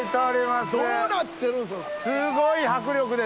すごい迫力ですね。